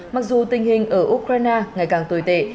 mặc dù tình hình ở ukraine ngày càng tồi tệ